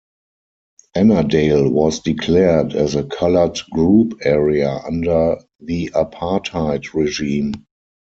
Ennerdale was declared as a coloured group area under the Apartheid regime.